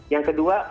yang kedua vaksinasi